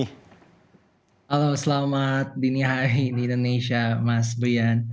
halo selamat dini hari di indonesia mas brian